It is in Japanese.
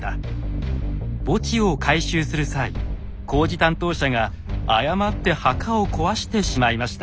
墓地を改修する際工事担当者が誤って墓を壊してしまいました。